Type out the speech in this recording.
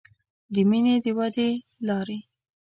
د مینې د ودې لارې